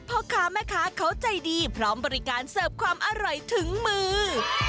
พ่อค้าแม่ค้าเขาใจดีพร้อมบริการเสิร์ฟความอร่อยถึงมือ